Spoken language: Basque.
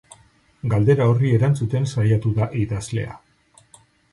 Galdera horri erantzuten saiatu da idazlea.